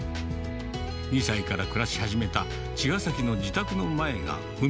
２歳から暮らし始めた茅ヶ崎の自宅の前が海。